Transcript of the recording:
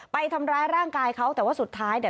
ไปทำร้ายร่างกายเขาแต่ว่าสุดท้ายเนี่ย